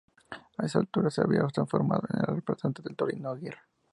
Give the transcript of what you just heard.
A esa altura se había transformado en el reemplazante del "Torito" Aguirre.